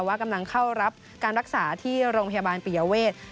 ว่ากำลังเข้ารับการรักษาที่โรงพยาบาลปิยเวท